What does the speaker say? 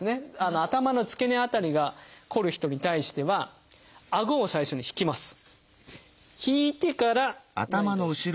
頭の付け根辺りがこる人に対してはあごを最初に引きます。